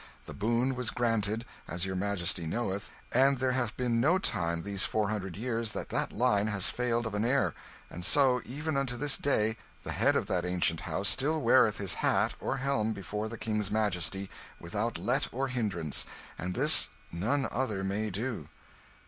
The boon was granted, as your Majesty knoweth; and there hath been no time, these four hundred years, that that line has failed of an heir; and so, even unto this day, the head of that ancient house still weareth his hat or helm before the King's Majesty, without let or hindrance, and this none other may do.